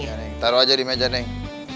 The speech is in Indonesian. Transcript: iya neng taruh aja di meja neng